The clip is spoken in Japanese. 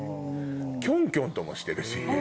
キョンキョンともしてるし。